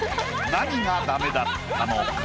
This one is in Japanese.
何がダメだったのか？